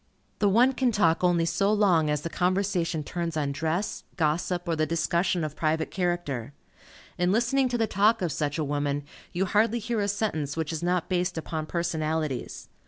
The one can talk only so long as the conversation turns on dress, gossip, or the discussion of private character. In listening to the talk of such a woman, you hardly hear a sentence which is not based upon personalities.